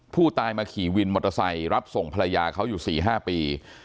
ผู้ตายมาขี่วินมอเตอร์ไซค์รับส่งภรรยาเขาอยู่๔๕ปี